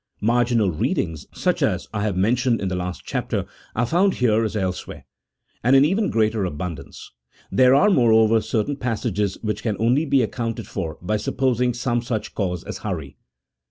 Marginal readings, such as I have mentioned in the last chapter, are found here as elsewhere, and in even greater abundance ; there are, moreover, certain passages winch can only be accounted for by supposing some such cause as hurry.